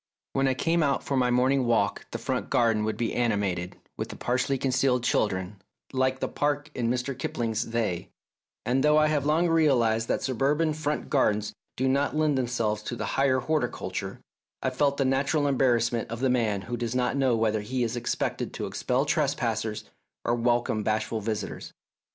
When I came out for my morning walk the front garden would be animated with partially concealed children like the park in Mr. Kipling's "They," and though I have long realised that suburban front gardens do not lend themselves to the higher horticulture, I felt the natural embarrassment of the man who does not know whether he is expected to expel trespassers or welcome bashful visi tors.